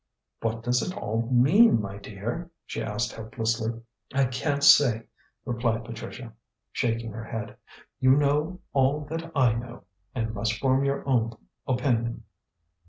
"What does it all mean, my dear?" she asked helplessly. "I can't say," replied Patricia, shaking her head. "You know all that I know, and must form your own opinion."